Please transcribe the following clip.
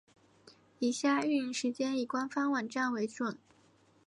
以下营运时间以官方网站为准。